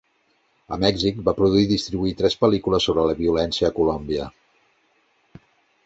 A Mèxic, va produir i distribuir tres pel·lícules sobre la violència a Colòmbia.